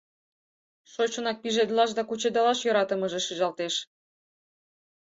Шочынак пижедылаш да кучедалаш йӧратымыже шижалтеш.